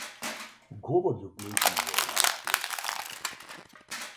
Govor ljubezni je v očeh.